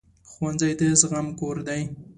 ښوونځی د زغم کور دی